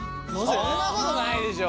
そんなことないでしょ。